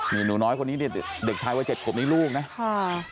นี่หนูน้อยของนี่สิเด็กชายว่าเจ็ดครบนี้ลูกนะ